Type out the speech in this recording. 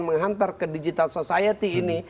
menghantar ke digital society ini